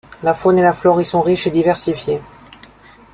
La faune et la flore y sont riches et diversifiées.